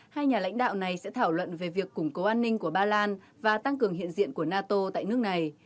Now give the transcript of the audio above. hai nhà lãnh đạo này sẽ thảo luận về việc củng cố an ninh của ba lan và tăng cường hiện diện của nato tại nước này